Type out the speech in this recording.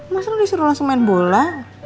masa lu disuruh langsung main bola